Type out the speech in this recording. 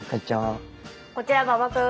こちら馬場君。